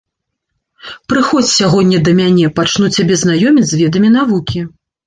Прыходзь сягоння да мяне, пачну цябе знаёміць з ведамі навукі.